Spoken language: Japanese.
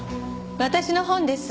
私の本です。